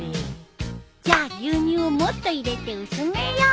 じゃあ牛乳をもっと入れて薄めよう。